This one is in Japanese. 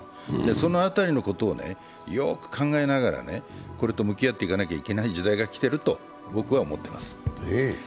その辺りのことをよく考えながらこれと向き合っていかないといけない時代がきているんだと思います。